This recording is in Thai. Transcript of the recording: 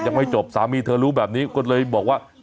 ยังไม่จบสามีเธอรู้แบบนี้ก็เลยบอกว่า